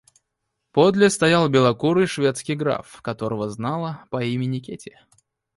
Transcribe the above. Подле стоял белокурый шведский граф, которого знала по имени Кити.